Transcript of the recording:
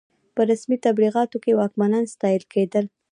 په رسمي تبلیغاتو کې واکمنان ستایل کېدل.